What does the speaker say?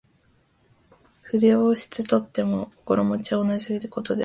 筆を執とっても心持は同じ事である。